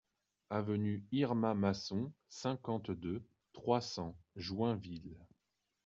Avenue Irma Masson, cinquante-deux, trois cents Joinville